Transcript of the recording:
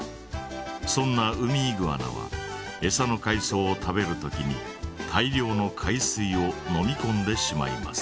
そんなウミイグアナはエサの海そうを食べる時に大量の海水を飲みこんでしまいます。